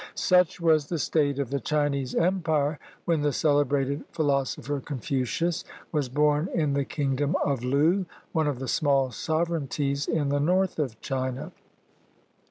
Such was the state of the Chinese Empire when the celebrated philos opher Confucius was born in the Kingdom of Lu, one of the small sovereignties in the north of China.